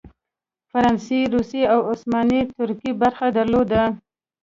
فرانسې، روسیې او عثماني ترکیې برخه درلوده.